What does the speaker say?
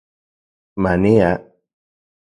Mania